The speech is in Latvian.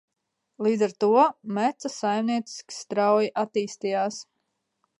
Līdz ar to Meca saimnieciski strauji attīstījās.